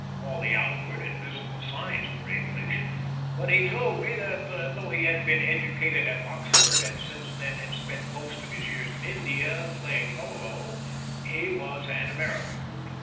All the outward and visible signs were English, but he told me that, though he had been educated at Oxford and since then had spent most of his years in India, playing polo, he was an American.